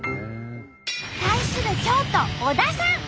対する京都小田さん。